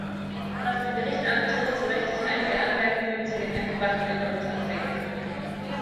Was den Bericht anbetrifft, so möchte ich einige Anmerkungen zu den eingebrachten Änderungsanträgen machen.